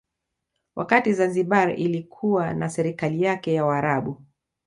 Wakati Zanzibar ilikuwa na serikali yake ya Waarabu